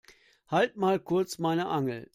Halt mal kurz meine Angel.